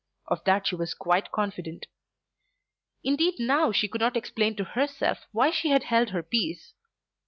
Of that she was quite confident. Indeed now she could not explain to herself why she had held her peace.